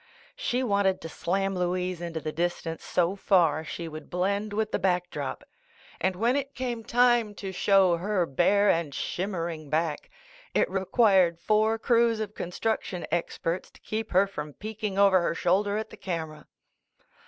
She wanted to slam Louise into the dis tance so far she would blend with the back drop, and when it came time to show her bare and shimmering back, it required four crews of construction experts to keep her from peeking over her shoulder at the camera.